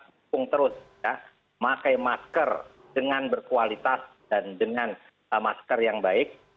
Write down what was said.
dukung terus pakai masker dengan berkualitas dan dengan masker yang baik